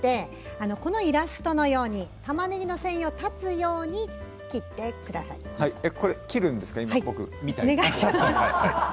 このイラストのようにたまねぎの繊維を断つようにこれ僕が切るんですかねみたいな。